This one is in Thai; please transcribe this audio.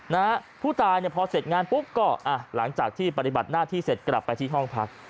นะฮะผู้ตายเนี่ยพอเสร็จงานปุ๊บก็อ่ะหลังจากที่ปฏิบัติหน้าที่เสร็จกลับไปที่ห้องพัก